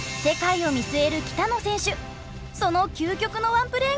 その究極のワンプレーがこちら！